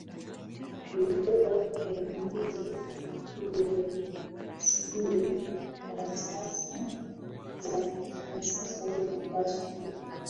vilikuwa pingamizi kwa imani za kimsingi za siasa za Castro